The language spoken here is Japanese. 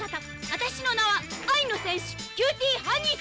私の名は愛の戦士キューティーハニーさ！